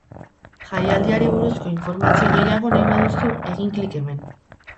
Jaialdiari buruzko informazio gehiago nahi baduzu, egin klik hemen.